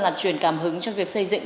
là truyền cảm hứng cho việc xây dựng